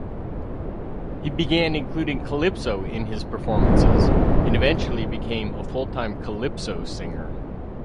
He began including calypso in his performances, and eventually became a full-time calypso singer.